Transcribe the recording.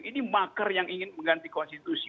ini makar yang ingin mengganti konstitusi